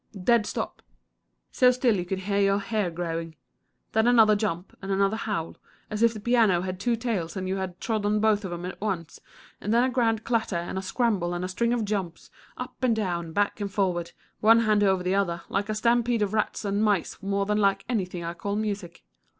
Dead stop so still you could hear your hair growing. Then another jump, and another howl, as if the piano had two tails and you had trod on both of 'em at once, and then a grand clatter and scramble and string of jumps, up and down, back and forward, one hand over the other, like a stampede of rats and mice more than like anything I call music.